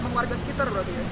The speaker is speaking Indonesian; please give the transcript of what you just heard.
emang warga sekitar loh dia